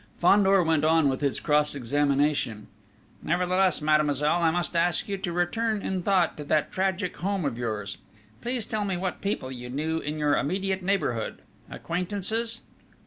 Fandor went on with his cross examination: "Nevertheless, mademoiselle, I must ask you to return in thought to that tragic home of yours. Please tell me what people you knew in your immediate neighbourhood? Acquaintances?"